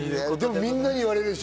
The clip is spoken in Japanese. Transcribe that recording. みんなに言われるでしょ？